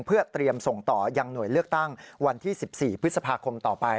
เพื่อเตรียมส่งต่อยังหน่วยเลือกตั้งวันที่๑๔พฤษภาคมต่อไป